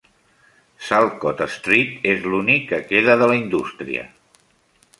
"Saltcote Street" és l'únic que queda de la indústria.